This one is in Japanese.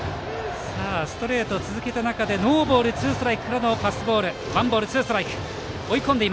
ストレートを続けた中でノーボールツーストライクからのパスボール。